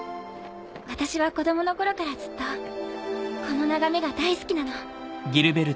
私は子供の頃からずっとこの眺めが大好きなの。